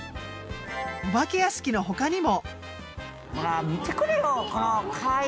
お化け屋敷のほかにも。